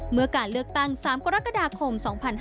เมื่อการเลือกตั้ง๓กรกฎาคม๒๕๕๙